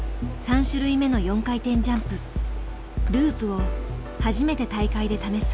３種類目の４回転ジャンプループを初めて大会で試す。